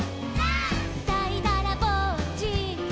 「」「だいだらぼっち」「」